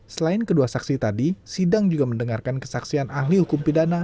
selain kedua saksi tadi sidang juga mendengarkan kesaksian ahli hukum pidana